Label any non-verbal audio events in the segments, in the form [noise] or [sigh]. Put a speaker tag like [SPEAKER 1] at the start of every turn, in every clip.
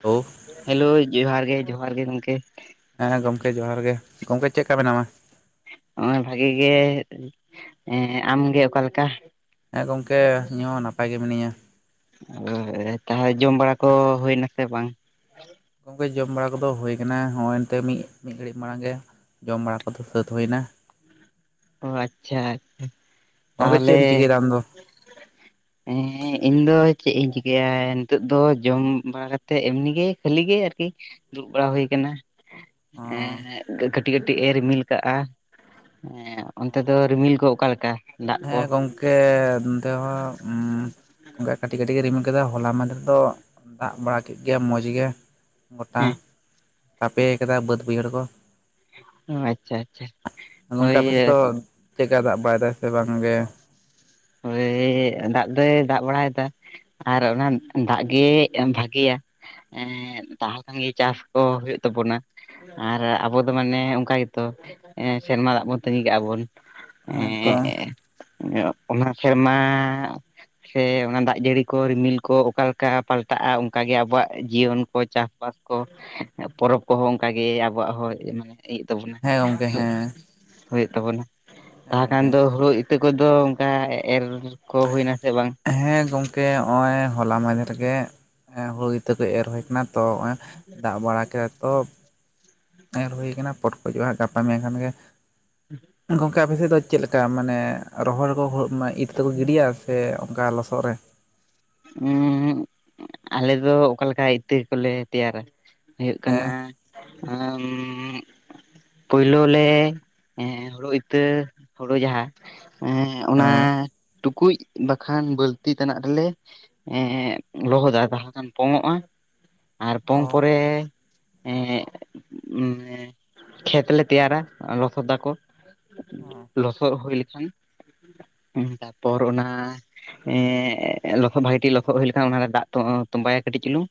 [SPEAKER 1] Hello
[SPEAKER 2] hello ᱡᱚᱦᱟᱨ ᱜᱮ ᱡᱚᱦᱟᱨ ᱜᱮ ᱜᱚᱢᱠᱮ
[SPEAKER 1] ᱦᱮᱸ ᱜᱚᱢᱠᱮ ᱡᱚᱦᱟᱨ ᱜᱮ ᱜᱚᱢᱠᱮ ᱪᱮᱫ ᱞᱮᱠᱟ ᱢᱮᱱᱟᱢᱟ?
[SPEAKER 2] ᱱᱚᱜᱼᱚᱭ ᱵᱷᱟᱜᱤ ᱜᱮ ᱟᱢᱜᱮ ᱚᱠᱟᱞᱮᱠᱟ?
[SPEAKER 1] ᱦᱮᱸ ᱜᱚᱢᱠᱮ ᱤᱧᱦ ᱱᱟᱯᱟᱭ ᱜᱮ ᱢᱤᱱᱟᱹᱧᱟ᱾
[SPEAKER 2] ᱚ ᱛᱟᱦᱚᱞᱮ ᱡᱚᱢ ᱵᱟᱲᱟ ᱠᱚ ᱦᱩᱭ ᱱᱟ ᱥᱮ ᱵᱟᱝ?
[SPEAKER 1] ᱜᱚᱢᱠᱮ ᱡᱚᱢ ᱵᱟᱲᱟ ᱠᱚᱫᱚ ᱦᱩᱭᱩ ᱟᱠᱟᱱᱟ ᱦᱚᱜᱼᱚᱭ ᱮᱱᱛᱮ ᱢᱤᱫ ᱢᱤᱫ ᱜᱷᱟᱹᱲᱤᱡ ᱢᱟᱲᱟᱝ ᱜᱮ ᱡᱚᱢ ᱵᱟᱲᱟ ᱠᱚᱫᱚ ᱥᱟᱹᱛ ᱦᱩᱭ ᱮᱱᱟ᱾
[SPEAKER 2] ᱚ ᱟᱪᱪᱷᱟ ᱟᱪᱪᱷᱟ
[SPEAKER 1] ᱜᱚᱢᱠᱮ ᱪᱮᱫ
[SPEAKER 2] ᱛᱟᱦᱚᱞᱮ
[SPEAKER 1] ᱮᱢ ᱪᱤᱠᱟᱹᱭᱮᱫᱟ ᱟᱢ ᱫᱚ
[SPEAKER 2] ᱦᱮᱸ ᱤᱧ ᱫᱚ ᱪᱮᱫ ᱤᱧ ᱪᱤᱠᱟᱭᱭᱟ ᱱᱤᱛᱚᱜᱜ ᱫᱚ ᱡᱚᱢ ᱵᱟᱲᱟ ᱠᱟᱛᱮᱫ ᱮᱢᱱᱤ ᱜᱮ ᱠᱷᱟᱹᱞᱤ ᱜᱮ ᱟᱹᱨᱠᱤ ᱫᱩᱲᱩᱵ ᱵᱟᱲᱟ ᱦᱩᱭ ᱟᱠᱟᱱᱟ
[SPEAKER 1] ᱚ
[SPEAKER 2] ᱮ ᱠᱟᱹᱴᱤᱡ ᱠᱟᱹᱴᱤᱡ ᱮ ᱨᱤᱢᱤᱞ ᱪᱠᱟᱜᱼᱟ ᱦ ᱚᱱᱛᱮ ᱫᱚ ᱨᱤᱢᱤᱞ ᱠᱚ ᱚᱠᱟ ᱞᱮᱠᱟ?
[SPEAKER 1] ᱦᱮᱸ ᱜᱚᱢᱠᱮ ᱱᱰᱮ ᱦᱚᱸᱮ ᱠᱟᱹᱴᱤᱡ ᱠᱟᱹᱴᱤᱡ ᱨᱤᱢ ᱠᱮᱫᱟ ᱦᱚᱞᱟ ᱢᱟᱱᱫᱷ ᱨᱮ ᱫᱚ ᱫᱟᱜ ᱵᱟᱲᱟ ᱠᱮᱫ ᱜᱮᱭᱟ ᱢᱚᱸᱡᱽ ᱜᱮ ᱜᱚᱴᱟ
[SPEAKER 2] ᱦᱮᱸ
[SPEAKER 1] ᱛᱟᱯᱮ ᱟᱠᱟᱫᱟ ᱵᱟᱹᱫ ᱵᱟᱹᱭᱦᱟᱹᱲ ᱠᱚ
[SPEAKER 2] ᱚ ᱟᱪᱪᱷᱟ ᱟᱪᱪᱷᱟ
[SPEAKER 1] ᱜᱚᱢᱠᱮ
[SPEAKER 2] ᱦᱳᱭ
[SPEAKER 1] ᱟᱯᱮ ᱥᱮᱫ ᱫᱚ ᱪᱮᱫᱠᱟ ᱫᱟᱜ ᱵᱟᱭ ᱫᱟᱭ ᱥᱮ ᱵᱟᱝ ᱜᱮ
[SPEAKER 2] ᱳᱭ ᱫᱟᱜ ᱫᱚᱭ ᱫᱟᱜ ᱵᱟᱲᱟᱭᱮᱫᱟ ᱟᱨ ᱚᱱᱟ ᱫᱟᱜ ᱜᱮ ᱵᱷᱟᱜᱮᱭᱟ᱾ ᱮᱸ ᱛᱟᱦᱚᱞᱮ ᱠᱷᱟᱱ ᱜᱮ ᱪᱟᱥ ᱠᱚ ᱦᱩᱭᱩᱜ ᱛᱟᱵᱚᱱᱟ᱾ ᱟᱨ ᱟᱵᱚ ᱫᱚ ᱢᱟᱱᱮ ᱚᱱᱠᱟ ᱜᱮᱛᱚ ᱥᱮᱨᱢᱟ ᱫᱟᱜ ᱵᱚᱱ ᱛᱟᱸᱟᱹᱜᱤ ᱠᱟᱜᱼᱟ ᱵᱚᱱ
[SPEAKER 1] ᱦᱮᱸ ᱛᱚ
[SPEAKER 2] ᱦᱮᱸ ᱚᱱᱟ ᱥᱮᱨᱢᱟ ᱥᱮ ᱚᱱᱟ ᱫᱟᱜ ᱡᱟᱹᱲᱤ ᱠᱚ ᱨᱤᱢᱤᱞ ᱠᱚ ᱚᱠᱟᱮᱠᱟ ᱯᱟᱞᱴᱟᱜᱼᱟ ᱚᱱᱠᱟᱟᱜ ᱜᱮ ᱟᱵᱚᱣᱟᱜ ᱡᱤᱭᱚᱱ ᱠᱚ ᱪᱟᱥ ᱵᱟᱥ ᱠᱚ ᱯᱚᱨᱚᱵᱽ ᱠᱚᱦᱚᱸ ᱚᱱᱠᱟᱜ ᱜᱮ ᱟᱵᱚᱣᱟᱜ ᱦᱚᱸ ᱢᱟᱱᱮ ᱤᱭ ᱛᱟᱵᱚᱱᱟ
[SPEAKER 1] ᱦᱮᱸ ᱜᱚᱢᱠᱮ ᱦᱮᱸ
[SPEAKER 2] ᱦᱩᱭᱩᱜ ᱛᱟᱵᱚᱱᱟ
[SPEAKER 1] ᱦᱮᱸ
[SPEAKER 2] ᱛᱟᱦᱚᱞ ᱠᱷᱟᱱ
[SPEAKER 1] ᱜᱚᱢᱠᱮ
[SPEAKER 2] ᱫᱚ ᱦᱩᱲᱩ ᱤᱛᱟᱹ ᱠᱚᱫᱚ ᱚᱱᱠᱟ ᱮᱨ ᱠᱚ ᱦᱩᱭᱱᱟ ᱥᱮ ᱵᱟᱝ?
[SPEAKER 1] ᱦᱮᱸ ᱜᱚᱝᱠᱮ ᱦᱚᱜᱼᱚᱭ ᱦᱚᱞᱟ ᱢᱟᱫᱷᱮ ᱨᱮᱜᱮ ᱦᱩᱲᱩ ᱤᱛᱟᱹ ᱠᱚ ᱮᱨ ᱦᱩᱭ ᱟᱠᱟᱱᱟ ᱛᱚᱜ ᱫᱟᱜ ᱵᱟᱲᱟ ᱠᱮᱫ ᱛᱚ ᱮᱨ ᱦᱩᱭ ᱠᱟᱱᱟ ᱯᱚᱴ ᱠᱚᱡᱚᱜᱼᱟ ᱦᱜ ᱜᱟᱯᱟ ᱢᱮᱭ ᱠᱷᱟᱱ ᱜᱮ ᱜᱚᱢᱠᱮ ᱚᱱᱠᱟ ᱵᱮᱥᱤ ᱫᱚ ᱪᱮᱫ ᱞᱮᱠᱟ ᱢᱟᱱᱮ ᱨᱚᱦᱚᱲᱠᱚ ᱤᱛ ᱛᱮᱠᱚ ᱜᱤᱰᱤᱭᱟ ᱥᱮ ᱚᱱᱠᱟ ᱞᱚᱥᱚᱫ ᱨᱮ
[SPEAKER 2] ᱟᱞᱮ ᱫᱚ ᱚᱠᱟᱞᱮᱠᱟ ᱤᱛᱟᱹ ᱠᱚᱞᱮ ᱛᱮᱭᱟᱨᱟ ᱦᱩᱭᱩᱜ
[SPEAKER 1] ᱦᱮᱸ
[SPEAKER 2] ᱠᱟᱱᱟ ᱯᱳᱭᱞᱩ ᱞᱮ ᱦᱩᱲᱩ ᱤᱛᱟᱹ ᱦᱳᱲᱳ ᱡᱟᱦᱟᱸ ᱚᱱᱟ
[SPEAKER 1] ᱦᱮᱸ
[SPEAKER 2] ᱴᱩᱠᱩᱡ ᱵᱟᱠᱷᱟᱱ ᱵᱟᱹᱞᱛᱤ ᱛᱮᱟᱱᱟᱜ ᱨᱮᱞᱮ ᱞᱚᱦᱚᱫᱟ ᱛᱟᱦᱚᱞᱮ ᱠᱷᱟᱱ ᱯᱚᱝ ᱚᱜᱼᱟ ᱟᱨ
[SPEAKER 1] ᱚ
[SPEAKER 2] ᱯᱚᱝ ᱯᱚᱨᱮ ᱮ ᱠᱷᱮᱛ ᱞᱮ ᱛᱭᱟᱨᱟ ᱞᱚᱥᱚᱫ ᱟᱠᱚ ᱞᱚᱥᱚᱫ ᱦᱩᱭ ᱞᱮᱠᱷᱟᱱ ᱛᱟᱨᱯᱚᱨ ᱚᱱᱟ ᱮ ᱞᱚᱦᱚᱫ ᱵᱷᱟᱜᱤ ᱴ ᱞᱚᱦᱚᱫ ᱦᱩᱭ ᱞᱮᱠᱷᱟᱱ ᱚᱱᱟ ᱫᱟᱜ ᱛᱚᱸᱵᱟᱭᱟ ᱠᱟᱹᱴᱤᱡ ᱪᱩᱞᱩᱝ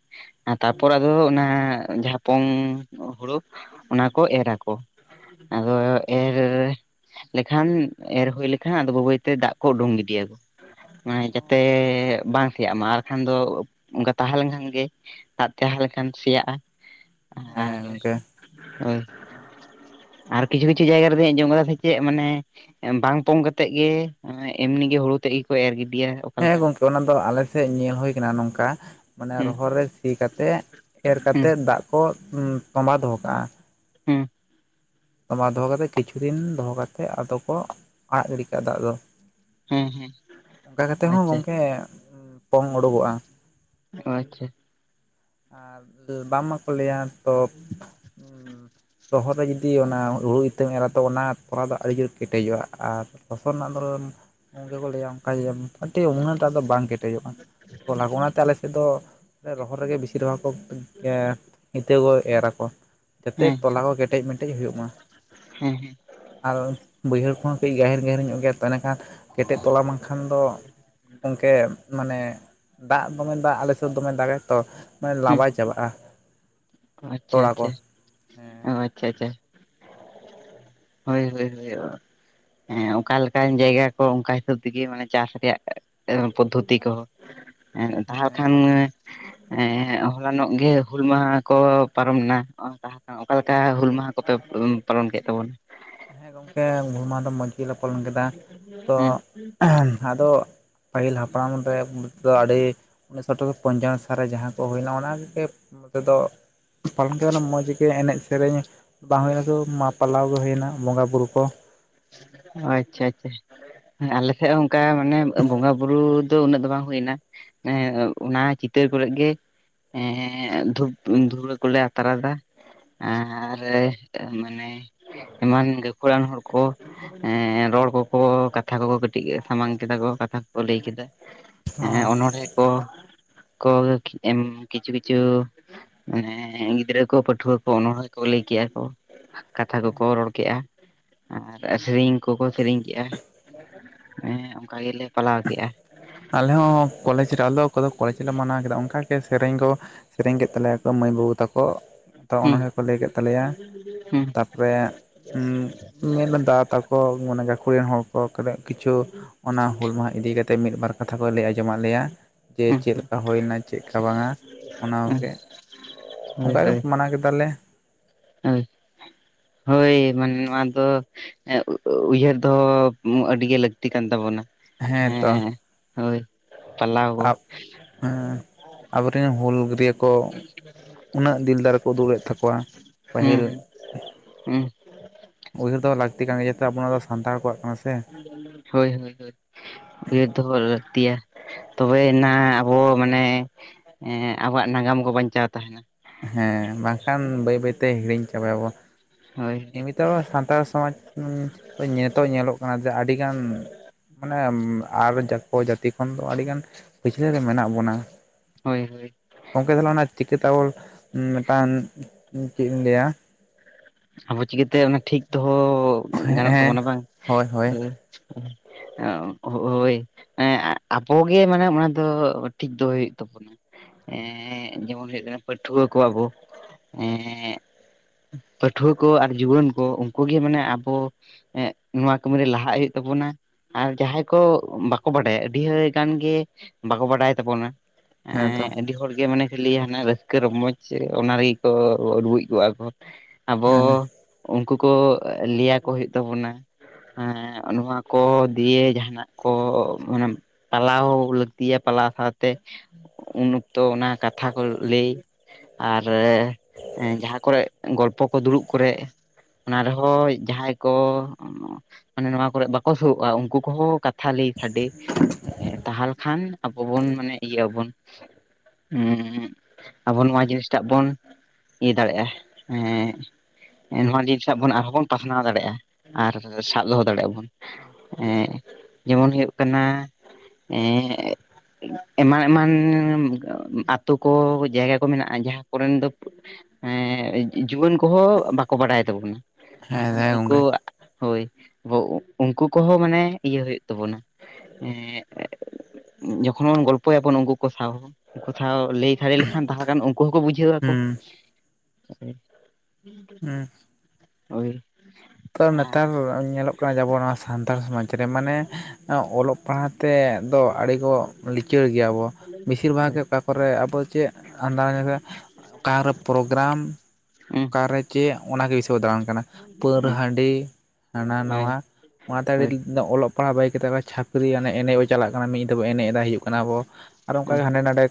[SPEAKER 2] ᱛᱟᱯᱚᱨ ᱟᱫᱚ ᱚᱱᱟ ᱡᱟᱦᱟᱸ ᱯᱚᱝ ᱦᱩᱲᱩ ᱚᱱᱟ ᱠᱚ ᱮᱨ ᱟᱠᱚ᱾ ᱟᱫᱚ [unintelligible] ᱞᱮᱠᱷᱟᱱ ᱮᱨ ᱦᱩᱭ ᱞᱮᱠᱷᱟᱱ ᱟᱫᱚ ᱵᱵᱟᱹᱭᱛᱮ ᱫᱟᱜ ᱠᱚ ᱩᱰᱩᱝ ᱜᱤᱰᱤᱭᱟ᱾ ᱢᱟᱱᱮ ᱡᱟᱛᱮ ᱵᱟᱝ ᱥᱮᱭᱟᱜ ᱢᱟ ᱟᱨᱠᱷᱟᱱ ᱫᱚ ᱚᱱᱠᱟ ᱛᱟᱦᱮᱸᱞᱮᱱᱠᱷᱟᱱ ᱜᱮ ᱫᱟᱜ ᱛᱮᱦᱮ ᱞᱮᱠᱷᱟᱱ ᱥᱮᱭᱟᱜᱼᱟ
[SPEAKER 1] ᱦᱮᱸ
[SPEAKER 2] ᱟᱨ
[SPEAKER 1] ᱜᱚᱝᱠᱮ
[SPEAKER 2] ᱟᱨ ᱠᱤᱪᱷᱩ ᱠᱤᱪᱷᱩ ᱡᱭᱜᱟ ᱨᱮᱫᱚᱧ ᱟᱡᱚᱢ ᱥᱮ ᱪᱮᱫ ᱢᱟᱱᱮ ᱵᱟᱝ ᱯᱚᱝ ᱠᱟᱛᱮᱜ ᱜᱮ ᱮᱢᱱᱤᱜ ᱦᱩᱲᱩ ᱛᱮᱜ ᱜᱮᱠᱚ ᱮᱨ ᱜᱤᱰᱤᱭᱟ᱾
[SPEAKER 1] ᱦᱮᱸ
[SPEAKER 2] ᱚᱠᱟᱞᱮᱠᱟ
[SPEAKER 1] ᱜᱚᱝᱠᱮ ᱚᱱᱟ ᱫᱚ ᱟᱞᱮᱥᱮᱫ ᱧᱮᱞ ᱦᱳ ᱟᱠᱟᱱᱟ ᱱᱚᱝᱠᱟ ᱢᱟᱱᱮ
[SPEAKER 2] ᱦᱩᱸ
[SPEAKER 1] ᱨᱚᱦᱚᱲ ᱨᱮ ᱛᱤ ᱠᱟᱛᱮ ᱮᱨ
[SPEAKER 2] ᱦᱩᱸ
[SPEAKER 1] ᱠᱟᱛᱮᱫ ᱫᱟᱜ ᱠᱚ ᱛᱚᱵᱟ ᱫᱚᱦᱚ ᱠᱟᱜᱼᱟ᱾
[SPEAKER 2] ᱦᱮᱸ
[SPEAKER 1] ᱛᱵᱢᱟ ᱫᱚᱦᱚ ᱠᱟᱛᱮ ᱠᱤᱪᱷᱩ ᱫᱤᱱ ᱫᱚᱦᱚ ᱠᱟᱛᱮᱫ ᱟᱫᱚ ᱠᱚ ᱟᱲᱟᱜ ᱜᱟᱲᱮ ᱠᱟᱜᱼᱟ ᱫᱟᱜ ᱫᱚ᱾
[SPEAKER 2] ᱦᱮᱸ ᱦᱮᱸ
[SPEAKER 1] ᱚᱱᱠᱟ ᱠᱟᱛᱮ ᱦᱚᱸ
[SPEAKER 2] ᱟᱪᱪᱷᱟ
[SPEAKER 1] ᱜᱚᱝᱠᱮ ᱯᱚᱝ ᱩᱰᱩᱠᱚᱜᱼᱟ᱾
[SPEAKER 2] ᱚ ᱟᱪᱪᱷᱟ
[SPEAKER 1] ᱟᱨ ᱵᱟᱝᱢᱟ ᱠᱚ ᱞᱟᱹᱭᱟ ᱛᱚ
[SPEAKER 2] [inaudible]
[SPEAKER 1] ᱨᱚᱦᱚᱨ ᱨᱮ ᱡᱩᱫᱤ ᱚᱱᱟ ᱦᱩᱲᱩ ᱤᱛᱟᱹᱢ ᱮᱨᱟ ᱛᱚ ᱚᱱᱟ ᱛᱚᱞᱟ ᱫᱚ ᱟᱹᱰᱤ ᱡᱳᱨ ᱠᱮᱴᱮᱡᱚᱜᱼᱟ ᱟᱨ ᱯᱷᱚᱥᱚᱞ ᱨᱮᱱᱟᱜ ᱫᱷᱚᱨᱚᱱ [unintelligible] ᱜᱮᱠᱚ ᱞᱟᱹᱭᱟ ᱚᱱᱠᱟ ᱡᱮᱴ ᱩᱱᱟᱹᱴᱟᱜ ᱫᱚ ᱵᱟᱝ ᱠᱮᱴᱮᱡᱚᱜᱼᱟ ᱛ ᱚᱱᱟᱛᱮ ᱟᱞᱮ ᱥᱮᱫ ᱫᱚ ᱨᱚᱦᱚᱲ ᱨᱮᱜᱮ ᱵᱮᱥᱤᱨ ᱵᱷᱟᱜᱽ ᱠᱚ ᱤᱛᱟᱹ ᱠᱚ ᱮᱨ ᱟᱠᱚ᱾ ᱡᱟᱛᱮ
[SPEAKER 2] ᱦᱮᱸ ᱦᱮᱸ
[SPEAKER 1] ᱛᱚᱞᱟ ᱠᱚ ᱠᱮᱴᱮᱡᱢᱮᱴᱮᱡ ᱦᱩᱭᱩᱜ ᱢᱟ᱾
[SPEAKER 2] ᱦᱮᱸ ᱦᱮᱸ
[SPEAKER 1] ᱟᱨ ᱵᱟᱹᱭᱦᱟᱹᱲ ᱠᱚᱦᱚᱸ ᱠᱟᱹᱡ ᱜᱟᱹᱦᱤᱨ ᱜᱟᱹᱦᱤᱨ ᱧᱚᱜ ᱜᱮᱭᱟ ᱛᱮ ᱮᱱᱟᱹᱠᱷᱟᱱ ᱠᱮᱴᱮᱡ ᱛᱚᱞᱟ ᱢᱟ ᱵᱟ ᱠᱷᱟᱱ ᱫᱚ ᱚᱱᱠᱮ ᱢᱟᱱᱮ ᱫᱟᱜ ᱫᱚᱢᱮ ᱫᱟᱜ ᱟᱞᱮ ᱥᱮᱫ ᱫᱚᱢᱮ ᱫᱟᱜᱟᱭ ᱛᱚ, ᱢᱟᱱ
[SPEAKER 2] ᱦᱮᱸ
[SPEAKER 1] ᱞᱟᱵᱟᱭ ᱪᱟᱵᱟᱜᱼᱟ᱾
[SPEAKER 2] ᱟᱪᱪᱷᱟ
[SPEAKER 1] ᱛᱚᱲᱟ ᱠᱚ
[SPEAKER 2] ᱟᱪᱪᱷᱟ
[SPEAKER 1] ᱦᱮᱸ
[SPEAKER 2] ᱚ ᱟᱪᱪᱷᱟ ᱟᱪᱪᱷᱟ᱾ ᱦᱳᱭ ᱦᱳᱭ ᱦᱳᱭ᱾ ᱦᱮᱸ ᱚᱠᱟ ᱞᱮᱠᱟᱱ ᱡᱟᱭᱜᱟ ᱠᱚ ᱚᱱᱠᱟ ᱦᱤᱥᱟᱹᱵ ᱛᱮᱜᱮ ᱢᱟᱱᱮ ᱪᱟᱥ ᱨᱮᱭᱟᱜ ᱯᱚᱫᱽᱫᱷᱚᱛᱤ ᱠᱚᱦᱚ ᱛᱟᱦᱮ
[SPEAKER 1] ᱦᱮᱸ
[SPEAKER 2] ᱠᱷᱟᱱ ᱦᱚᱞᱟᱱᱚᱜ ᱜᱮ ᱦᱩᱞ ᱢᱟᱦᱟ ᱠᱚ ᱯᱟᱨᱚᱢᱱᱟ ᱞᱟᱦ [unintelligible] ᱚᱠᱟᱞᱮᱠᱟ ᱦᱩᱞ ᱢᱟᱦᱟ ᱠᱚᱯᱮ ᱯᱟᱨᱚᱢ ᱠᱮᱫ ᱛᱟᱵᱚᱱᱟ?
[SPEAKER 1] ᱦᱮᱸ ᱜᱚᱢᱠᱮ ᱦᱩᱞ ᱢᱟᱦᱟ ᱫᱚ ᱢᱚᱸᱡᱽ ᱜᱮᱞᱮ ᱯᱚᱞᱚᱱ ᱠᱮᱫᱟ ᱛᱚ
[SPEAKER 2] ᱦᱮᱸ
[SPEAKER 1] ᱟᱫᱚ ᱯᱟᱹᱦᱤᱞ ᱦᱟᱯᱲᱟᱢ ᱨᱮ ᱟᱹᱰᱤ [unintelligible] ᱩᱱᱤᱥᱚᱴᱚ ᱯᱚᱧᱪᱟᱱᱚ ᱥᱟᱞᱨᱮ ᱡᱟᱦᱟᱸ ᱠᱚ ᱦᱩᱭᱱᱟ ᱚᱱᱟᱜᱮ ᱱᱚᱛᱮ ᱫᱚ ᱯᱟᱞᱚᱱ ᱠᱟᱛᱮ ᱢᱚᱡᱽ ᱜᱮ ᱮᱱᱮᱡ ᱥᱮᱨᱮᱧ ᱵᱟᱝ ᱦᱩᱭᱱᱟ ᱛᱚ ᱢᱟ ᱯᱟᱞᱟᱣ ᱜᱮ ᱦᱩᱭᱮᱱᱟ ᱵᱚᱸᱜᱟ ᱵᱩᱨᱩ ᱠᱚ,
[SPEAKER 2] ᱟᱪᱪᱷᱟ ᱟᱪᱪᱷᱟ ᱮᱸ ᱟᱞᱮ ᱴᱟᱱ ᱚᱱᱠᱟ ᱢᱟᱱᱮ ᱵᱚᱸᱜᱟ ᱵᱩᱨᱩ ᱫᱚ ᱩᱱᱟᱹᱜ ᱫᱚ ᱵᱟᱝ ᱦᱩᱭᱱᱟ᱾ ᱚᱱᱟ ᱪᱤᱛᱟᱹᱨ ᱠᱚᱨᱮ ᱜᱮ ᱮ ᱫᱷᱩᱯ ᱫᱷᱩᱲᱟᱹ ᱠᱚᱞᱮ ᱟᱛᱟᱨ ᱟᱫᱟ᱾ ᱟᱨ ᱢᱟᱱᱮ ᱮᱢᱟᱱ ᱜᱟᱹᱠᱷᱩᱲᱟᱱ ᱦᱚᱲ ᱠᱚ ᱨᱚᱲ ᱠᱚᱠᱚ ᱠᱟᱛᱷᱟ ᱠᱚ ᱠᱟᱹᱴᱤᱡ ᱥᱟᱢᱟᱝ ᱠᱮᱫᱟ ᱠᱚ ᱠᱟᱛᱷᱟ ᱠᱚ ᱞᱟᱹᱭ ᱠᱮᱫᱟ᱾
[SPEAKER 1] ᱦᱚᱸ
[SPEAKER 2] ᱚᱱᱚᱬᱦᱮᱸ ᱠᱚ ᱠᱚ ᱮᱢ ᱠᱤᱪᱷᱩ ᱠᱤᱪᱷᱩ ᱢᱟᱱᱮ ᱜᱤᱫᱽᱨᱟᱹ ᱠᱚ ᱯᱟᱹᱴᱷᱩᱣᱟᱹ ᱠᱚ ᱚᱱᱚᱬᱦᱮᱸ ᱠᱚ ᱞᱟᱹᱭ ᱠᱮᱜᱼᱟ ᱠᱚ ᱠᱟᱛᱷᱟ ᱠᱚᱠᱚ ᱨᱚᱲ ᱠᱮᱜᱼᱟ᱾ ᱟᱨ ᱥᱮᱨᱮᱧ ᱠᱚᱠᱚ ᱥᱮᱨᱮᱧ ᱠᱮᱫᱼᱟ ᱦᱮᱸ ᱚᱱᱠᱟ ᱜᱮᱞᱮ ᱯᱟᱞᱟᱣ ᱠᱮᱫᱮᱜᱼᱟ᱾
[SPEAKER 1] ᱟᱞᱮ ᱦᱚᱸ ᱠᱚᱞᱮᱡᱽ ᱨᱮ ᱟᱞᱫᱚ ᱚᱠᱚᱭ ᱫᱚ ᱠᱚᱞᱮᱡᱽ ᱞᱮ ᱢᱟᱱᱟᱣ ᱠᱮᱫᱟ ᱚᱱᱠᱟᱜᱮ ᱥᱮᱨᱮᱧ ᱠᱚ, ᱥᱮᱨᱮᱧ ᱠᱮᱫ ᱛᱟᱞᱮᱭᱟ ᱠᱚ ᱢᱟᱹᱭ ᱵᱟᱹᱵᱩ ᱛᱟᱠᱚ ᱛᱮ
[SPEAKER 2] ᱦᱩᱸ
[SPEAKER 1] ᱜᱮ ᱠᱚ ᱞᱟᱹᱭ ᱠᱮᱫ ᱛᱟᱞᱮᱭᱟ᱾
[SPEAKER 2] ᱦᱩᱸ
[SPEAKER 1] ᱛᱟ ᱯᱚᱨᱮ ᱢᱤᱫ ᱫᱟ ᱛᱟᱠᱚ ᱢᱟᱱᱮ ᱜᱟᱹᱠᱷᱩᱲ ᱨᱮᱱ ᱦᱚᱲ ᱠᱚ ᱠᱟᱹᱴᱤᱡ ᱠᱤᱪᱷᱩ ᱚᱱᱟ ᱦᱩᱞ ᱢᱟᱦᱟ ᱤᱫᱤᱠᱟ ᱠᱟᱛᱮᱫ ᱢᱤᱫᱵᱟᱨ ᱠᱟᱛᱷᱟ ᱠᱚ ᱞᱟᱹᱭ ᱟᱸᱡᱚᱢᱟᱫ ᱞᱮᱭᱟ ᱡᱮ
[SPEAKER 2] ᱦᱩᱸ
[SPEAKER 1] ᱪᱮᱫ ᱞᱮᱠᱟ ᱦᱩᱭᱱᱟ ᱪᱮᱫ ᱞᱮᱠᱟ ᱵᱟᱝᱟ ᱚᱱᱟ
[SPEAKER 2] ᱦᱩᱸ
[SPEAKER 1] ᱜᱮ᱾
[SPEAKER 2] ᱦᱳᱭ
[SPEAKER 1] ᱚᱱᱠᱟ ᱜᱮ
[SPEAKER 2] ᱦᱳᱭ
[SPEAKER 1] ᱢᱟᱱᱟᱣ ᱠᱮᱫᱟᱞᱮ᱾
[SPEAKER 2] ᱦᱳᱭ ᱦᱳᱭ ᱢᱟᱱᱮ ᱱᱚᱣᱟ ᱫᱚ ᱩᱭᱦᱟᱹᱨ ᱫᱚᱦᱚ ᱟᱹᱰᱤ ᱜᱮ ᱞᱟᱹᱠᱛᱤ ᱠᱟᱱ ᱛᱟᱵᱚᱱᱟ᱾ ᱦᱮᱸ ᱦᱳᱭ ᱯᱟᱞᱟᱣ ᱠᱚ᱾
[SPEAKER 1] ᱦᱮᱸ ᱟᱵᱚᱨᱮᱱ ᱦᱩᱞ ᱞᱟᱹᱭ ᱠᱚ ᱩᱱᱟᱹᱜ ᱫᱤᱞ ᱫᱟᱨᱮ ᱠᱚ ᱩᱫᱩᱞᱮᱫ ᱛᱟᱠᱚᱣᱟ ᱯᱟᱹᱦᱤᱞ
[SPEAKER 2] ᱦᱮᱸ
[SPEAKER 1] ᱩᱭᱦᱟᱹᱨ ᱫᱚᱦᱚ ᱞᱟᱹᱠᱛᱤ ᱠᱟᱱ ᱜᱮᱭᱟ ᱡᱟᱛᱮ ᱟᱵᱚ ᱱᱚᱣᱟ ᱫᱚ ᱥᱟᱱᱛᱟᱲ ᱠᱚᱣᱟᱜ ᱠᱟᱱᱟ ᱥᱮ
[SPEAKER 2] ᱦᱳᱭ ᱦᱳᱭ ᱦᱳᱭ ᱩᱭᱦᱟᱹᱨ ᱫᱚᱦᱚ ᱞᱟᱹᱠᱛᱤᱭᱟ ᱛᱚᱵᱮᱭᱱᱟ ᱟᱵᱚ ᱢᱟᱱᱮ ᱦᱮᱸ ᱟᱵᱚᱣᱟᱜ ᱱᱟᱜᱟᱢ ᱠᱚ ᱵᱟᱧᱪᱟᱣ ᱛᱟᱦᱮᱱᱟ᱾
[SPEAKER 1] ᱦᱮᱸ ᱵᱟᱝᱠᱷᱟᱱ ᱵᱟᱹᱭ ᱵᱟᱹᱭᱛᱮ ᱦᱤᱲᱤᱧ ᱪᱟᱵᱟᱭ ᱟᱵᱚ
[SPEAKER 2] ᱦᱳᱭ
[SPEAKER 1] ᱱᱤᱛᱚᱜ ᱦᱚᱸ ᱥᱟᱱᱛᱟᱲ ᱥᱚᱢᱟᱡᱽ ᱱᱤᱛᱚᱜ ᱧᱮᱞᱚᱜ ᱠᱟᱱᱟ ᱡᱮ ᱟᱹᱰᱤᱜᱟᱱ ᱢᱟᱱᱮ ᱟᱨ ᱡᱚᱛᱚ ᱡᱟᱹᱛᱤ ᱠᱷᱚᱱ ᱫᱚ ᱟᱹᱰᱤᱜᱟᱱ ᱯᱟᱹᱪᱞᱟᱹ ᱨᱮ ᱢᱮᱱᱟᱜ ᱵᱚᱱᱟ
[SPEAKER 2] ᱦᱳᱭ ᱦᱳᱭ
[SPEAKER 1] ᱜᱚᱢᱠᱮ ᱛᱟᱦᱚᱞᱮ ᱚᱱᱟ ᱪᱤᱠᱤ ᱛᱮ ᱚᱞ ᱢᱤᱫᱴᱟᱝ ᱪᱮᱫ ᱤᱧ ᱞᱟᱹᱭᱟ
[SPEAKER 2] ᱟᱵᱚ ᱪᱤᱠᱟᱹᱛᱮ ᱚᱱᱟ ᱴᱷᱤᱠ ᱫᱚᱦᱚ ᱜᱟᱱᱚᱜ
[SPEAKER 1] ᱦᱮᱸ
[SPEAKER 2] ᱛᱟᱵᱚᱱᱟ ᱵᱟᱝ
[SPEAKER 1] ᱦᱳᱭ ᱦᱳᱭ
[SPEAKER 2] ᱦᱳᱭ ᱟᱵᱚᱜᱮ ᱢᱟᱱᱮ ᱚᱱᱟ ᱫᱚ ᱴᱷᱤᱠ ᱫᱚᱦᱚᱭ ᱦᱩᱭᱩᱜ ᱛᱟᱵᱚᱱᱟ ᱮᱸᱻ ᱡᱮᱢᱚᱱ ᱦᱩᱭᱩᱜ ᱠᱟᱱᱟ ᱯᱟᱹᱴᱷᱩᱣᱟᱹ ᱠᱚ ᱟᱵᱚ ᱮᱸᱻ ᱯᱟᱹᱴᱷᱩᱣᱟᱹ ᱠᱚ ᱟᱨ ᱡᱩᱣᱟᱹᱱ ᱠᱚ ᱩᱱᱠᱩ ᱜᱮ ᱢᱟᱱᱮ ᱟᱵᱚ ᱱᱚᱣᱟ ᱠᱟᱹᱢᱤᱨᱮ ᱞᱟᱦᱟᱜ ᱦᱩᱭᱩᱜ ᱛᱟᱵᱚᱱᱟ ᱟᱨ ᱡᱟᱦᱟᱸᱭ ᱠᱚ ᱵᱟᱠᱚ ᱵᱟᱰᱟᱭᱟ ᱟᱹᱰᱤ ᱜᱟᱱ ᱜᱮ ᱵᱟᱠᱚ ᱵᱟᱰᱟᱭ ᱛᱟᱵᱚᱱᱟ ᱦᱮᱸ ᱟᱹᱰᱤ ᱦᱚᱲᱜᱮ ᱢᱟᱱᱮ ᱞᱟᱹᱭᱟ ᱦᱟᱱᱮ ᱨᱟᱹᱥᱠᱟᱹ ᱨᱚᱢᱚᱡᱽ ᱚᱱᱟ ᱨᱮᱜᱮ ᱠᱚ ᱰᱩᱰᱩᱡ ᱠᱚᱜᱼᱟ ᱠᱚ ᱟᱵᱚ
[SPEAKER 1] ᱦᱮᱸ
[SPEAKER 2] ᱩᱱᱠᱩ ᱠᱚ ᱞᱟᱹᱭᱟᱠᱚ ᱦᱩᱭᱩᱜ ᱛᱟᱵᱚᱱᱟ ᱦᱮᱸ ᱱᱚᱣᱟ ᱠᱚ ᱫᱤᱭᱮ ᱡᱟᱦᱟᱱᱟᱜ ᱠᱚ ᱢᱟᱱᱮ ᱯᱟᱞᱟᱣ ᱞᱟᱹᱠᱛᱤᱭᱟ ᱯᱟᱞᱟᱣ ᱥᱟᱶᱛᱮ ᱩᱱ ᱚᱠᱛᱚ ᱚᱱᱟ ᱠᱟᱛᱷᱟ ᱠᱚ ᱞᱟᱹᱭ ᱟᱨ ᱡᱟᱦᱟᱸ ᱠᱚᱨᱮ ᱜᱚᱞᱯᱚ ᱠᱚ ᱫᱩᱲᱩᱵ ᱠᱚᱨᱮᱜ ᱚᱱᱟ ᱨᱮᱦᱚᱸ ᱡᱟᱦᱟᱸᱭ ᱠᱚ ᱢᱟᱱᱮ ᱱᱚᱣᱟ ᱠᱚᱨᱮᱜ ᱵᱟᱠᱚ ᱥᱩᱨᱩᱜᱼᱟ ᱩᱱᱠᱩ ᱠᱚᱦᱚᱸ ᱛᱷᱟᱞᱤ ᱠᱷᱰᱮ ᱛᱟᱦᱚᱞᱮᱱ ᱠᱷᱟᱱ ᱟᱵᱚ ᱵᱚᱱ ᱢᱟᱱᱮ ᱤᱭᱟᱹ ᱟᱵᱚᱱ ᱦᱩᱸ ᱟᱵᱚ ᱱᱚᱣᱟ ᱡᱤᱱᱤᱥᱴᱟᱜ ᱵᱚᱱ ᱤᱭᱟᱹ ᱫᱟᱲᱮᱭᱟᱜᱼᱟ ᱱᱚᱣᱟ ᱡᱤᱱᱤᱥᱴᱟᱜ ᱵᱚᱱ ᱟᱨᱦᱚᱸ ᱵᱚᱱ ᱯᱟᱥᱱᱟᱣ ᱫᱟᱲᱮᱭᱟᱜᱼᱟ ᱟᱨ ᱥᱟᱵ ᱫᱚᱦᱚ ᱫᱟᱲᱮᱭᱟᱜᱼᱟ ᱵᱚᱱ ᱡᱮᱢᱚᱱ ᱦᱩᱭᱩᱜ ᱠᱟᱱᱟ ᱮᱸᱻ ᱮᱢᱟᱱ ᱮᱢᱟᱱ ᱟ ᱟᱹᱛᱩ ᱠᱚ ᱡᱟᱭᱜᱟ ᱠᱚ ᱢᱮᱱᱟᱜᱼᱟ ᱡᱟᱦᱟᱸ ᱠᱚᱨᱮᱱ ᱫᱚ ᱮᱸᱻ ᱡᱩᱣᱟᱹᱱ ᱠᱚᱦᱚᱸ ᱵᱟᱠᱚ ᱵᱟᱲᱟᱭ ᱛᱟᱵᱚᱱᱟ
[SPEAKER 1] ᱦᱮᱸ
[SPEAKER 2] ᱵᱟᱝᱠᱷᱟᱱ
[SPEAKER 1] ᱦᱮᱸ
[SPEAKER 2] ᱩᱱᱠᱩ
[SPEAKER 1] ᱜᱚᱝᱠᱮ
[SPEAKER 2] ᱦᱳᱭ ᱩᱱᱠᱩ ᱠᱚᱦᱚᱸ ᱢᱟᱱᱮ ᱤᱭᱟᱹ ᱦᱩᱭᱩᱜ ᱛᱟᱵᱚᱱᱟ ᱡᱚᱠᱷᱚᱱ ᱵᱚᱱ ᱜᱚᱞᱯᱚᱭᱟᱵᱚᱱ ᱩᱱᱠᱩ ᱠᱚ ᱥᱟᱶ ᱠᱟᱛᱷᱟ ᱞᱟᱹᱭ ᱥᱟᱰᱮ ᱞᱮᱠᱷᱟᱱ ᱛᱟᱦᱚᱞᱮ ᱠᱷᱟᱱ ᱩᱱᱠᱩ ᱦᱚᱸᱠᱚ ᱵᱩᱡᱷᱟᱹᱣᱟᱠᱚ
[SPEAKER 1] ᱦᱩᱸ ᱦᱩᱸ
[SPEAKER 2] ᱦᱳᱭ
[SPEAKER 1] ᱛᱚ
[SPEAKER 2] ᱟᱨ
[SPEAKER 1] ᱱᱮᱛᱟᱨ ᱧᱮᱞᱚᱜ ᱠᱟᱱᱟ ᱡᱮ ᱟᱵᱚ ᱱᱚᱣᱟ ᱥᱟᱱᱛᱟᱲ ᱥᱚᱢᱟᱡᱽ ᱨᱮ ᱢᱟᱱᱮ ᱚᱞᱚᱜ ᱚᱞ ᱯᱟᱲᱦᱟᱣ ᱛᱮ ᱫᱚ ᱟᱹᱰᱤ ᱠᱚ ᱞᱤᱪᱟᱹᱲ ᱜᱮᱭᱟᱵᱚ ᱵᱮᱥᱤᱨ ᱵᱷᱟᱜᱽ
[SPEAKER 2] ᱦᱳᱭ
[SPEAKER 1] ᱜᱮ ᱚᱠᱟ ᱚᱠᱟᱠᱚᱨᱮ ᱟᱵᱚ ᱪᱮᱫ ᱟᱱᱫᱷᱟ ᱧᱤᱱᱫᱟᱹ ᱚᱠᱟᱨᱮ ᱯᱨᱳᱜᱨᱟᱢ
[SPEAKER 2] ᱦᱳᱭ
[SPEAKER 1] ᱚᱠᱟ ᱨᱮ ᱪᱮᱫ ᱚᱱᱟᱜᱮ ᱵᱮᱥᱤᱠᱚ ᱫᱟᱬᱟᱱ ᱠᱟᱱᱟ
[SPEAKER 2] [unintelligible]
[SPEAKER 1] ᱯᱟᱹᱣᱨᱟᱹ ᱦᱟᱺᱰᱤ ᱦᱟᱱᱟ
[SPEAKER 2] ᱦᱳᱭ
[SPEAKER 1] ᱱᱟᱣᱟ ᱚᱱᱟᱛᱮ
[SPEAKER 2] ᱦᱳᱭ
[SPEAKER 1] ᱟᱹᱰᱤ ᱜᱤᱫᱽᱨᱟᱹ ᱚᱞᱚᱜ ᱯᱟᱲᱦᱟᱜ ᱵᱟᱜᱤ ᱠᱮᱫᱟ ᱠᱚ ᱪᱷᱟᱯᱹᱨᱤ ᱮᱱᱮᱡ ᱵᱚ ᱪᱟᱞᱟᱜ ᱠᱟᱱᱟ ᱢᱤᱫ ᱧᱤᱱᱫᱟᱹ ᱵᱚ ᱮᱱᱮᱡ ᱮᱫᱟ ᱦᱤᱡᱩᱜ ᱠᱟᱱᱟ ᱵᱚ ᱟᱨ ᱚᱱᱠᱟᱟᱜᱮ ᱦᱟᱸᱰᱮ ᱱᱟᱰᱮ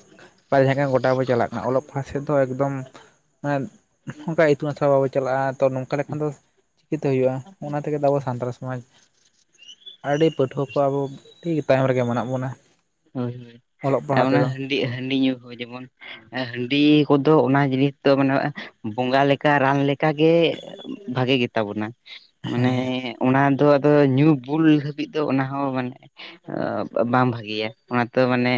[SPEAKER 1] ᱵᱟᱦᱨᱮ ᱠᱚ ᱜᱚᱴᱟ ᱵᱚᱱ ᱪᱟᱞᱟᱜ ᱠᱟᱱᱟ ᱚᱞᱚᱜ ᱯᱟᱲᱦᱟᱜ ᱥᱮᱫ ᱫᱚ ᱮᱠᱫᱚᱢ ᱚᱱᱠᱟ ᱤᱛᱩᱱ ᱟᱥᱲᱟ ᱵᱟᱵᱚ ᱪᱟᱞᱟᱜᱼᱟ ᱛᱚ ᱱᱚᱝᱠᱟ ᱞᱮᱠᱷᱟᱱ ᱫᱚ ᱪᱤᱠᱟᱹᱛᱮ ᱦᱩᱭᱩᱜᱼᱟ ᱚᱱᱟ ᱛᱮᱜᱮ ᱛᱚ ᱟᱵᱚ ᱥᱟᱱᱛᱟᱲ ᱥᱚᱢᱟᱡᱽ ᱟᱹᱰᱤ ᱯᱟᱹᱴᱷᱩᱣᱟᱹ ᱠᱚ ᱟᱵᱚ ᱴᱷᱤᱠ ᱛᱟᱭᱚᱢ ᱨᱮᱜᱮ ᱢᱮᱱᱟᱜ ᱵᱚᱱᱟ᱾
[SPEAKER 2] ᱦᱳᱭ ᱦᱳᱭ
[SPEAKER 1] ᱚᱞᱚᱜ
[SPEAKER 2] ᱟᱨ
[SPEAKER 1] ᱯᱟᱲᱦᱟᱣ
[SPEAKER 2] ᱚᱱᱟ
[SPEAKER 1] ᱛᱮᱫᱚ
[SPEAKER 2] ᱦᱟᱺᱰᱤ ᱦᱟᱺᱰᱤ ᱧᱩ ᱠᱚ ᱦᱚᱸ ᱡᱮᱢᱚᱱ ᱦᱟᱺᱰᱤ ᱠᱚᱫᱚ ᱚᱱᱟ ᱡᱤᱱᱤᱥ ᱫᱚ ᱢᱟᱱᱮ ᱵᱚᱸᱜᱟ ᱞᱮᱠᱟ ᱨᱟᱱ ᱞᱮᱠᱟᱜᱮ ᱵᱷᱟᱜᱮ ᱜᱮᱛᱟ ᱵᱚᱱᱟ ᱢᱟᱱᱮ ᱚᱱᱟ ᱫᱚ ᱟᱫᱚ ᱧᱩ ᱵᱩᱞ ᱦᱟᱹᱵᱤᱡ ᱫᱚ ᱚᱱᱟ ᱦᱚᱸ ᱢᱟᱱᱮ ᱵᱟᱝ ᱵᱷᱟᱜᱮᱭᱟ᱾ ᱚᱱᱟ ᱛᱚ ᱢᱟᱱᱮ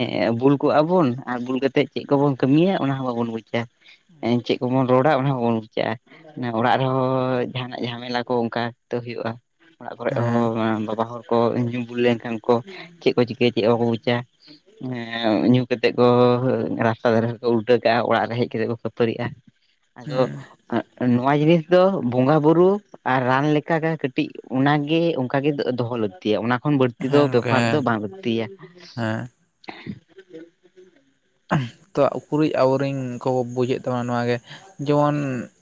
[SPEAKER 2] ᱮ ᱵᱩᱞ ᱠᱚᱜ ᱟ ᱵᱚᱱ ᱟᱨ ᱵᱩᱞ ᱠᱟᱛᱮᱜ ᱪᱮᱫ ᱠᱚᱵᱚᱱ ᱠᱟᱹᱢᱤᱭᱟ ᱚᱱᱟ ᱦᱚᱸ ᱵᱟᱵᱚᱱ ᱵᱩᱡᱟ᱾ ᱪᱮᱫ ᱠᱚᱵᱚᱱ ᱨᱚᱲᱟ ᱚᱱᱟ ᱦᱚᱸᱵᱚᱱ ᱵᱩᱪ ᱟ ᱢᱮ ᱚᱲᱟᱜ ᱨᱮᱦᱚᱸ ᱡᱟᱦᱟᱱᱟᱜ ᱡᱷᱟᱢᱮᱞᱟ ᱠᱚ ᱚᱱᱠᱟ ᱛᱚ ᱦᱩᱭᱩᱜᱼᱟ᱾ ᱚᱲᱟᱜ ᱠᱚᱨᱮᱜ
[SPEAKER 1] ᱦᱮᱸ
[SPEAKER 2] ᱦᱚᱸ ᱵᱟᱵᱟ ᱦᱚᱲ ᱠᱚ ᱧᱩᱢ ᱵᱩᱞ ᱞᱮᱱᱠᱷᱟᱱ ᱠᱚ ᱪᱮᱫ ᱠᱚ ᱪᱤᱠᱟᱹᱭ ᱪᱮᱫ ᱠᱚ ᱵᱩᱡᱟ᱾ ᱧᱩ ᱠᱟᱛᱮᱜ ᱠᱚ ᱨᱟᱥᱛᱟ ᱫᱷᱟᱨᱮ ᱨᱮᱠᱚ ᱩᱞᱴᱟᱹ ᱠᱟᱜᱼᱟ ᱚᱲᱟᱜ ᱨᱮ ᱦᱮᱡ ᱠᱟᱛᱮᱜ ᱠᱚ ᱠᱷᱟᱹᱯᱟᱹᱨᱤᱜᱼᱟ᱾ ᱟᱫᱚ
[SPEAKER 1] ᱦᱮᱸ
[SPEAKER 2] ᱱᱚᱣᱟ ᱡᱤᱱᱤᱥ ᱫᱚ ᱵᱚᱸᱜᱟ ᱵᱩᱨᱩ ᱟᱨ ᱨᱟᱱᱠᱟᱜ ᱞᱮᱠᱟᱹᱴᱤᱡ ᱚᱱᱟᱜᱮ ᱚᱱᱠᱟᱜᱮ ᱫᱚᱦᱚ ᱞᱟ ᱛᱤᱟᱹ ᱚᱱᱟ ᱠᱷᱚᱱ ᱵᱟᱹᱲᱛᱤ ᱫᱚ
[SPEAKER 1] ᱜᱚᱝᱠᱮ
[SPEAKER 2] ᱵᱮᱯᱟᱨ
[SPEAKER 1] ᱦᱮᱸ
[SPEAKER 2] ᱫᱚ ᱵᱟᱝ ᱞᱟᱠᱛᱤᱭᱟ᱾
[SPEAKER 1] ᱦᱮᱸ ᱛᱚ ᱩᱠᱩᱨᱤᱡ ᱟᱵᱚᱨᱮᱱ ᱠᱚ ᱵᱩᱡᱮᱫ ᱛᱟᱵᱚᱱᱟ ᱱᱚᱣᱟᱜᱮ ᱡᱮᱢᱚᱱ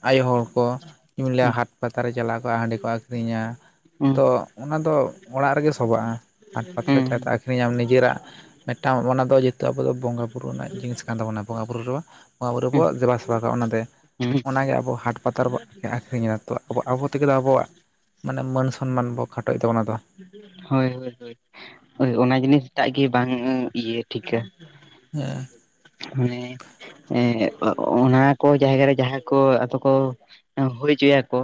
[SPEAKER 1] ᱟᱭᱳ ᱦᱚᱲ ᱠᱚ ᱧᱩᱟᱹ
[SPEAKER 2] ᱦᱩᱸ
[SPEAKER 1] ᱦᱟᱴ ᱯᱟᱛᱟᱨᱮ ᱪᱟᱞᱟᱜᱣ ᱠᱚᱜᱼᱟ ᱦᱟᱺᱰᱤ ᱠᱚ ᱟᱠᱷᱨᱤᱧᱟ
[SPEAKER 2] ᱦᱩᱸ
[SPEAKER 1] ᱛᱚ ᱚᱱᱟ ᱫᱚ ᱚᱲᱟᱜ ᱨᱮᱜᱮ ᱥᱚᱵᱟᱜᱼᱟ ᱦᱟᱴ ᱯᱟᱛᱨᱮ
[SPEAKER 2] ᱦᱩᱸ
[SPEAKER 1] ᱪᱟᱭᱛᱮ ᱟᱠᱷᱨᱤᱧᱟᱢ ᱱᱤᱡᱮᱨᱟᱜ ᱢᱤᱫᱴᱟᱝ ᱚᱱᱟ ᱫᱚ ᱡᱮᱛᱩ ᱟᱵᱚ ᱫᱚ ᱵᱚᱸᱜᱟ ᱵᱩᱨᱩ ᱨᱮᱱᱟᱜ ᱡᱤᱱᱤᱥ ᱠᱟᱱ ᱛᱟᱵᱚᱱᱟ ᱵᱚᱸᱜᱟ ᱵᱩᱨᱩ ᱨᱮ ᱵᱚᱸᱜᱟ ᱵᱩᱨᱩ
[SPEAKER 2] ᱦᱩᱸ
[SPEAKER 1] ᱵᱚ ᱵᱮᱵᱟ ᱥᱮᱵᱟ ᱠᱚᱟᱜᱼᱟ ᱚᱱᱟᱛᱮ,
[SPEAKER 2] ᱦᱩᱸ
[SPEAKER 1] ᱚᱱᱟᱜᱮ ᱟᱵᱚ ᱦᱟᱴ ᱦᱟᱴ ᱯᱟᱛᱟᱨᱮ ᱵᱚ ᱟᱹᱷᱨᱤᱧᱟ ᱛᱚ ᱟᱵᱚ ᱟᱵᱚ ᱛᱮᱜᱮ ᱟᱵᱚᱣᱟᱜ ᱢᱟᱱᱮ ᱢᱟᱹᱱ ᱥᱚᱱᱢᱟᱱ ᱵᱚ ᱠᱷᱟᱴᱚᱭᱮᱫᱟ ᱚᱱᱟᱫᱚ᱾
[SPEAKER 2] ᱦᱳᱭ ᱦᱳᱭ ᱦᱳᱭ ᱚᱱᱟ ᱡᱤᱱᱤᱥᱴᱟᱜ ᱜᱮ ᱵᱟᱝ ᱤᱭᱟᱹ ᱴᱷᱤᱠᱟ᱾
[SPEAKER 1] ᱦᱮᱸ
[SPEAKER 2] ᱢᱟᱱᱮ ᱮ ᱚᱱᱟ ᱠᱚ ᱡᱟᱭᱜᱟ ᱨᱮ ᱡᱟᱦᱟᱸ ᱠᱚ ᱟᱫᱚ ᱠᱚ ᱦᱩᱭ ᱦᱚᱪᱚᱭᱟᱠᱚ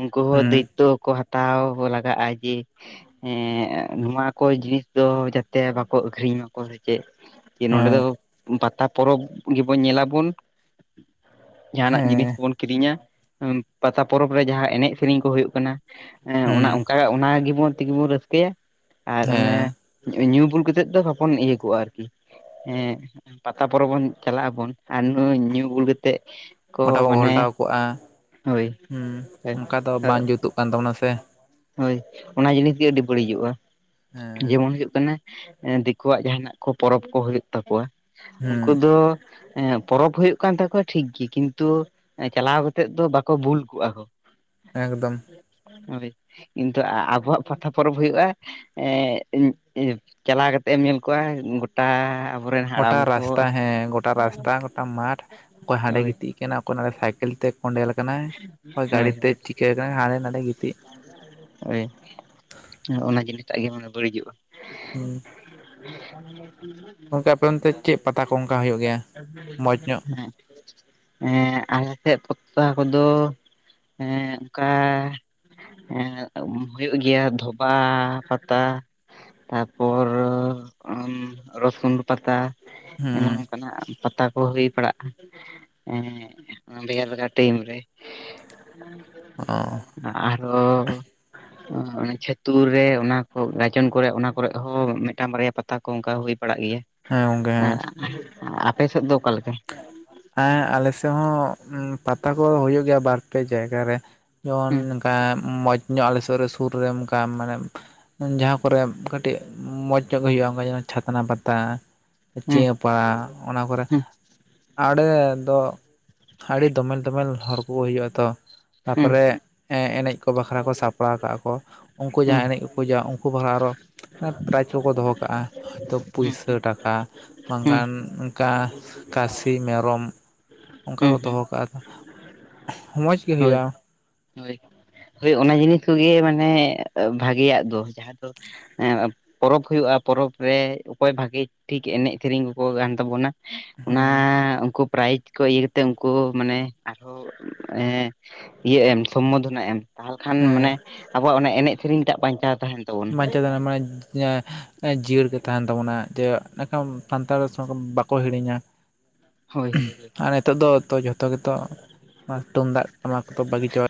[SPEAKER 2] ᱩᱱᱠᱩ ᱦᱚᱸ
[SPEAKER 1] ᱦᱮᱸ
[SPEAKER 2] ᱫᱟᱭᱤᱛᱛᱚ ᱠᱚ ᱦᱟᱛᱟᱣ ᱞᱟᱜᱟᱜᱼᱟ ᱡᱮ ᱮᱸᱜ ᱱᱚᱣᱟ ᱠᱚ ᱡᱤᱱᱤᱥ ᱫᱚ ᱡᱟᱛᱮ ᱵᱟᱠᱚ ᱟᱠᱷᱨᱤᱧ ᱢᱟᱠᱚ ᱥᱮ ᱪᱮᱫ ᱡᱮ ᱱᱚᱰᱮ
[SPEAKER 1] ᱦᱮᱸ
[SPEAKER 2] ᱫᱚ ᱯᱟᱛᱟ ᱯᱚᱨᱚᱵᱽ ᱜᱮᱵᱚᱱ ᱧᱮᱞᱟᱵᱚᱱ᱾ ᱡᱟᱦᱟᱱᱟᱜ
[SPEAKER 1] ᱦᱮᱸ
[SPEAKER 2] ᱡᱤᱱᱤᱥ ᱵᱚᱱ ᱠᱤᱨᱤᱧᱟ ᱯᱟᱛᱟ ᱯᱚᱨᱚᱵᱽ ᱨᱮ ᱡᱟᱦᱟᱸ ᱮᱱᱮᱡ ᱥᱮᱨᱮᱧ ᱠᱚ ᱦᱩᱭᱩᱜ ᱠᱟᱱᱟ
[SPEAKER 1] ᱦᱮᱸ
[SPEAKER 2] ᱚᱱᱟ ᱚᱱᱠᱟ ᱚᱱᱟ ᱜᱮᱵᱚᱱ ᱛᱮᱜᱮ ᱵᱚᱱ ᱨᱟᱹᱥᱠᱟᱹᱭᱟ᱾ ᱟᱨ
[SPEAKER 1] ᱦᱮᱸ
[SPEAKER 2] ᱚᱱᱮ ᱧᱩ ᱵᱩᱞ ᱠᱟᱛᱮᱜ ᱫᱚ ᱵᱚᱵᱚᱱ ᱤᱭᱟᱹ ᱠᱚᱜᱼᱟ ᱟᱨᱠᱤ᱾ ᱦᱮᱸ ᱯᱟᱛᱟ ᱯᱚᱨᱚᱵᱽ ᱵᱚᱱ ᱪᱟᱞᱟᱜ ᱟᱵᱚᱱ ᱟᱨ ᱱᱩ ᱧᱩ ᱟᱹᱵᱩᱞ ᱠᱟᱛᱮᱫ
[SPEAKER 1] ᱜᱚᱴᱟ ᱵᱚ ᱜᱷᱚᱞᱴᱟᱣ ᱠᱚᱜᱼᱟ᱾ ᱚᱱᱠᱟ ᱫᱚ ᱵᱟᱝ ᱡᱩᱛᱩᱜ ᱠᱟᱱ ᱛᱟᱵᱚᱱᱟ ᱥᱮ,
[SPEAKER 2] ᱦᱳᱭ ᱚᱱᱟ ᱡᱤᱱᱤᱥ ᱜᱮ ᱟᱹᱰᱤ ᱵᱟᱹᱲᱤᱡᱚᱜᱼᱟ᱾
[SPEAKER 1] ᱦᱮᱸ
[SPEAKER 2] ᱡᱮᱢᱚᱱ ᱦᱩᱭᱩᱜ ᱠᱟᱱᱟ ᱫᱤᱠᱩᱣᱟᱜ ᱡᱟᱦᱟᱸᱱᱟᱜ ᱠᱚ ᱯᱚᱨᱚᱵᱽ ᱠᱚ ᱦᱩᱭᱩᱜ ᱛᱟᱠᱚᱣᱟ ᱩᱱᱠᱩ
[SPEAKER 1] ᱦᱮᱸ
[SPEAKER 2] ᱫᱚ ᱯᱚᱨᱚᱵᱽ ᱦᱩᱭᱩᱜ ᱠᱟᱱ ᱛᱟᱠᱚᱣᱟ ᱴᱷᱤᱠᱜᱮ ᱠᱤᱱᱛᱩ ᱪᱟᱞᱟᱣ ᱠᱟᱛᱮᱜ ᱫᱚ ᱵᱟᱠᱚ ᱵᱷᱩᱞ ᱠᱚᱜᱼᱟ ᱠᱚ᱾
[SPEAKER 1] ᱮᱠᱫᱚᱢ
[SPEAKER 2] ᱦᱳᱭ ᱠᱤᱱᱛᱩ ᱟᱵᱚᱣᱟᱜ ᱯᱟᱛᱟ ᱯᱚᱨᱚᱵᱽ ᱦᱩᱭᱩᱜᱼᱟ, ᱪᱟᱞᱟᱣ ᱠᱟᱛᱮᱫ ᱮᱢ ᱧᱮᱞ ᱠᱚᱣᱟ ᱜᱚᱴᱟ ᱟᱵᱚᱨᱮᱱ ᱦᱟᱲᱟᱢ
[SPEAKER 1] ᱜᱚᱴᱟ
[SPEAKER 2] ᱠᱚ
[SPEAKER 1] ᱨᱟᱥᱛᱟ ᱦᱮᱸ ᱜᱚᱴᱟ ᱨᱟᱥᱛᱟ ᱜᱚᱴᱟ ᱢᱟᱴ ᱚᱠᱚᱭ ᱦᱟᱸᱰᱮ
[SPEAKER 2] ᱦᱳᱭ
[SPEAKER 1] ᱜᱤᱛᱤᱡ ᱟᱠᱟᱱᱟ ᱚᱠᱚᱭᱰᱮ ᱥᱟᱭᱠᱮᱞ ᱛᱮ ᱠᱚᱸᱰᱮᱞ ᱠᱟᱱᱟᱭ᱾
[SPEAKER 2] ᱦᱳᱭ
[SPEAKER 1] ᱜᱟᱹᱲᱤ ᱛᱮ
[SPEAKER 2] ᱦᱳᱭ
[SPEAKER 1] ᱪᱤᱠᱟᱹ ᱠᱟᱱᱟ ᱦᱟᱱᱰᱮ ᱱᱟᱰᱮ ᱜᱤᱛᱤᱡ᱾
[SPEAKER 2] ᱦᱳᱭ, ᱚᱱᱟ ᱡᱮ ᱱᱤᱛᱟᱜ ᱜᱮ ᱢᱟᱱᱮ ᱵᱟᱹᱲᱤᱡᱚᱜᱼᱟ᱾
[SPEAKER 1] ᱦᱮᱸ
[SPEAKER 2] [unintelligible]
[SPEAKER 1] ᱚᱱᱠᱟ ᱟᱯᱮ ᱚᱱᱛᱮ ᱪᱮᱫ ᱯᱟᱛᱟ ᱠᱚ ᱚᱱᱠᱟ ᱦᱩᱭᱩᱜ ᱜᱮᱭᱟ ᱢᱚᱸᱡᱽ ᱧᱚᱜ?
[SPEAKER 2] ᱦᱮᱸ ᱟᱞᱮ ᱥᱮᱫ ᱯᱚᱛᱟ ᱠᱚᱫᱚ ᱚᱱᱠᱟ ᱦᱩᱭᱩᱜ ᱜᱮᱭᱟ ᱫᱷᱚᱵᱟ ᱯᱟᱛᱟ᱾ ᱛᱟᱯᱚᱨ ᱨᱚᱥᱩᱱ ᱯᱟᱛᱟ ᱮᱢᱚᱱ
[SPEAKER 1] ᱦᱩᱸ
[SPEAKER 2] ᱚᱱᱠᱟᱱᱟᱜ ᱯᱟᱛᱟ ᱠᱚ ᱦᱩᱭ ᱯᱟᱲᱟᱜᱼᱟ ᱾ ᱮ ᱵᱷᱮᱜᱟᱨ ᱵᱷᱮᱜᱟᱨ ᱴᱤᱢ ᱨᱮ
[SPEAKER 1] ᱚ
[SPEAKER 2] ᱟᱨᱚ ᱪᱷᱟᱹᱛᱩᱨ ᱨᱮ ᱚᱱᱟ ᱠᱚ ᱜᱟᱡᱚᱱ ᱠᱚᱨᱮ ᱚᱱᱟ ᱠᱚᱨᱮ ᱦᱚᱸ ᱢᱤᱫᱴᱟᱝ ᱵᱟᱨᱭᱟ ᱯᱟᱛᱟ ᱯᱟᱛᱟ ᱠᱚ ᱚᱱᱠᱟ ᱦᱩᱭ ᱯᱟᱲᱟᱜ ᱜᱮᱭᱟ?
[SPEAKER 1] ᱦᱮᱸ ᱜᱚᱝᱠᱮ ᱦᱮᱸ
[SPEAKER 2] ᱟᱯᱮ ᱥᱮᱫ ᱫᱚ ᱚᱠᱟᱞᱮᱠᱟ?
[SPEAKER 1] ᱦᱮᱸ ᱟᱞᱮ ᱥᱮᱫ ᱦᱚᱸ ᱯᱟᱛᱟ ᱠᱚᱫᱚ ᱦᱩᱭᱩᱜ ᱜᱮᱭᱟ ᱵᱟᱨ ᱯᱮ ᱡᱟᱭᱜᱟ ᱨᱮ ᱾ ᱡᱮᱢᱚᱱ
[SPEAKER 2] ᱦᱩᱸ
[SPEAKER 1] ᱚᱱᱠᱟ ᱢᱚᱡᱽ ᱧᱚᱜ ᱟᱞᱮ ᱥᱩᱨ ᱨᱮ, ᱥᱩᱨ ᱨᱮ ᱚᱱᱠᱟ ᱢᱟᱱᱮ ᱡᱟᱦᱟᱸ ᱠᱚᱨᱮᱜ ᱠᱟᱹᱴᱤᱡ ᱢᱚᱸᱡᱽ ᱧᱚᱜ ᱜᱮ ᱦᱩᱭᱩᱜᱼᱟ ᱚᱱᱠᱟ ᱡᱮᱢᱚᱱ ᱪᱷᱟᱛᱱᱟ ᱯᱟᱛᱟ ᱾
[SPEAKER 2] ᱦᱩᱸ
[SPEAKER 1] ᱪᱮᱭᱟᱹ ᱯᱟᱲᱟ ᱚᱱᱟ ᱠᱚᱨᱮ
[SPEAKER 2] ᱦᱩᱸ
[SPEAKER 1] [unintelligible] ᱫᱚ ᱟᱹᱰᱤ ᱫᱚᱢᱮᱞ ᱫᱚᱢᱮᱞ ᱦᱚᱲ ᱠᱚ ᱦᱩᱭᱩᱜᱼᱟ ᱛᱚ
[SPEAKER 2] ᱦᱩᱸ
[SPEAKER 1] ᱛᱟᱯᱚᱨᱮ ᱦᱮᱸᱮᱱᱮᱡ ᱠᱚ ᱵᱟᱠᱷᱨᱟ ᱠᱚ ᱥᱟᱯᱲᱟᱣ ᱠᱟᱜᱼᱟ ᱠᱚ ᱩᱱᱠᱩ
[SPEAKER 2] ᱦᱩᱸ ᱦᱩᱸ
[SPEAKER 1] ᱡᱟᱦᱟᱸ ᱮᱱᱮᱡ ᱯᱩᱡᱟ ᱩᱱᱠᱩ ᱵᱷᱟᱲᱟ ᱟᱨᱚ ᱯᱩᱡᱟ [unintelligible] ᱩᱱᱠᱩ ᱵᱟᱠᱷᱲᱟ ᱟᱨᱦᱚᱸ ᱯᱨᱟᱭᱤᱡᱽ ᱠᱚᱠᱚ ᱫᱚᱦᱚ ᱠᱟᱜᱼᱟ ᱦᱚᱭ ᱛᱳ ᱯᱩᱭᱥᱟᱹ ᱴᱟᱠᱟ
[SPEAKER 2] ᱦᱩᱸ
[SPEAKER 1] ᱵᱟᱝᱠᱷᱟᱱ ᱚᱱᱠᱟ ᱠᱟᱹᱥᱤ ᱢᱮᱨᱚᱢ ᱚᱱᱠᱟ
[SPEAKER 2] ᱦᱩᱸ
[SPEAKER 1] ᱠᱚ
[SPEAKER 2] ᱦᱩᱸ
[SPEAKER 1] ᱫᱚᱦᱚ ᱠᱟᱜᱼᱟ ᱢᱚᱸᱡᱽ ᱜᱮ
[SPEAKER 2] ᱦᱳᱭ
[SPEAKER 1] ᱦᱩᱭᱩᱜᱼᱟ
[SPEAKER 2] ᱦᱳᱭ ᱦᱳᱭ ᱚᱱᱟ ᱡᱤᱱᱤᱥ ᱠᱚᱜᱮ ᱢᱟᱱᱮ ᱵᱷᱟᱜᱮᱭᱟᱜ ᱫᱚ, ᱡᱟᱦᱟᱸ ᱫᱚᱼᱼ ᱦᱮᱸ ᱯᱚᱨᱚᱵᱽ ᱦᱩᱭᱩᱜᱼᱟ ᱯᱚᱨᱚᱵ ᱨᱮ ᱚᱠᱚᱭ ᱵᱷᱟᱜᱤ ᱴᱷᱤᱠ ᱮᱱᱮᱡ ᱥᱮᱨᱮᱧ ᱠᱚᱠᱚ ᱠᱟᱱ ᱛᱟᱵᱚᱱᱟ ᱾ ᱚᱱᱟ
[SPEAKER 1] ᱦᱮᱸ
[SPEAKER 2] ᱩᱱᱠᱩ ᱯᱨᱟᱭᱤᱡᱽ ᱠᱚ ᱤᱭᱟᱹ ᱛᱮ ᱩᱱᱠᱩ ᱢᱟᱱᱮ ᱟᱨᱦᱚᱸ ᱤᱭᱟᱹ ᱮᱢ ᱥᱚᱢᱵᱳᱫᱷᱚᱱᱟ ᱮᱢ ᱾ ᱛᱟᱦᱚᱞᱮ ᱠᱷᱟᱱ
[SPEAKER 1] ᱦᱮᱸ
[SPEAKER 2] ᱢᱟᱱᱮ ᱟᱵᱚᱣᱟᱜ ᱮᱱᱮᱡ ᱥᱮᱨᱮᱧ ᱴᱟᱜ ᱵᱟᱧᱪᱟᱣ ᱛᱟᱦᱮᱱᱟ ᱾
[SPEAKER 1] ᱵᱟᱧᱪᱟᱣ ᱫ ᱢᱟᱱᱮ ᱡᱤᱭᱟᱹᱲ ᱜᱮ ᱛᱟᱦᱮᱱ ᱛᱟᱵᱚᱱᱟ ᱡᱮ ᱮᱱᱰᱮᱠᱷᱟᱱ ᱥᱟᱱᱛᱟᱲ ᱵᱟᱠᱚ ᱦᱤᱲᱤᱧᱟ
[SPEAKER 2] ᱦᱳᱭ ᱦᱳᱭ ᱦᱳᱭ᱾
[SPEAKER 1] ᱟᱨ ᱱᱤᱛᱚᱜ ᱫᱚ ᱡᱷᱚᱛᱚ ᱜᱮᱛᱚ ᱛᱩᱢᱫᱟᱜ ᱴᱟᱢᱟᱠ ᱛᱚ ᱵᱟᱹᱜᱤ ᱪᱟᱵᱟ